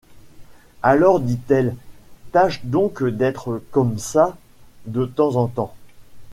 Alors, dit-elle, tâche donc d’être comme ça de temps en temps.